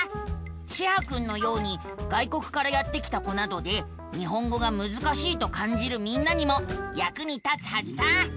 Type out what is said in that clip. シェハくんのように外国からやって来た子などで日本語がむずかしいとかんじるみんなにもやくに立つはずさ。